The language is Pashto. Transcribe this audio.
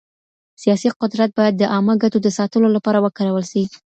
سياسي قدرت بايد د عامه ګټو د ساتلو لپاره وکارول سي.